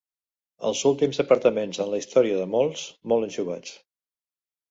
Els últims apartaments en la història de molts, molt anxovats.